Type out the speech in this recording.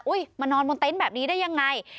มานอนบนเต็นต์แบบนี้ได้ยังไง